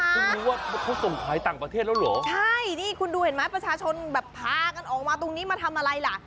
คุณรู้ว่าเขาส่งขายต่างประเทศแล้วเหรอใช่นี่คุณดูเห็นไหมประชาชนแบบพากันออกมาตรงนี้มาทำอะไรล่ะ